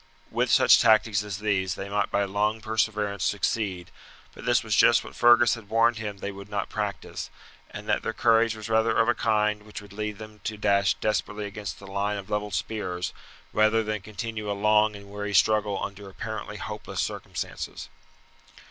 With such tactics as these they might by long perseverance succeed; but this was just what Fergus had warned him they would not practise, and that their courage was rather of a kind which would lead them to dash desperately against the line of levelled spears, rather than continue a long and weary struggle under apparently hopeless circumstances.